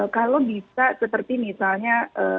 kalau bisa seperti misalnya